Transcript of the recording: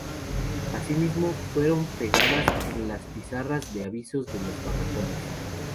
Asimismo, fueron pegadas en las pizarras de avisos de los barracones.